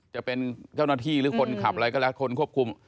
จะเป็นเจ้าหน้าที่หรือคนขับอะไรก็แล้วคนควบคุม